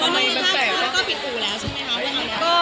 ก็ผิดกู่แล้วใช่ไหมคะ